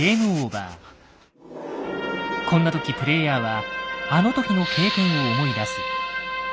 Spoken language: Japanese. こんな時プレイヤーはあの時の経験を思い出す。